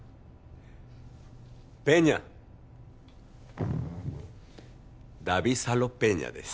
ペーニャダビド・サロ・ペーニャです